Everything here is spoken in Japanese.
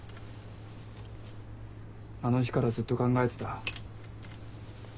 あの日からずっと考えてた。